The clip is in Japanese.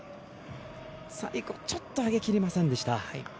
最後、ちょっと上げ切りませんでした。